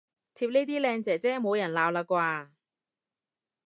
貼呢啲靚姐姐冇人鬧喇啩